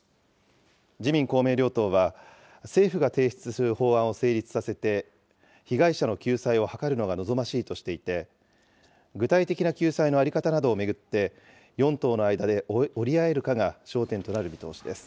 自民、公明両党は、政府が提出する法案を成立させて、被害者の救済を図るのが望ましいとしていて、具体的な救済の在り方などを巡って、４党の間で折り合えるかが焦点となる見通しです。